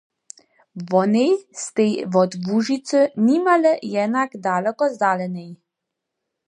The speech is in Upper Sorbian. Wonej stej wot Łužicy nimale jenak daloko zdalenej.